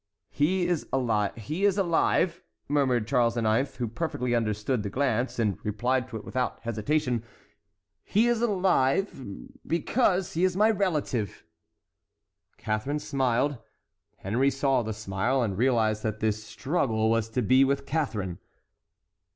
"He is alive, he is alive!" murmured Charles IX., who perfectly understood the glance, and replied to it without hesitation,—"he is alive—because he is my relative." Catharine smiled. Henry saw the smile, and realized that his struggle was to be with Catharine.